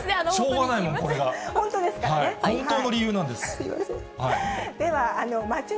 本当の理由なんです。